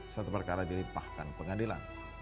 satu perkara dilipahkan pengadilan